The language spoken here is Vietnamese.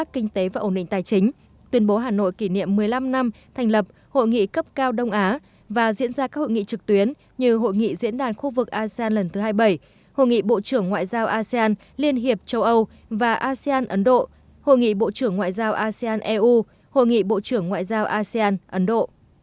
kinh tế và ổn định tài chính tuyên bố hà nội kỷ niệm một mươi năm năm thành lập hội nghị cấp cao đông á và diễn ra các hội nghị trực tuyến như hội nghị diễn đàn khu vực asean lần thứ hai mươi bảy hội nghị bộ trưởng ngoại giao asean liên hiệp châu âu và asean ấn độ hội nghị bộ trưởng ngoại giao asean eu hội nghị bộ trưởng ngoại giao asean ấn độ